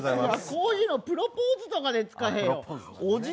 こういうのプロポーズとかで使えよ。